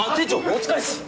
お疲れっす。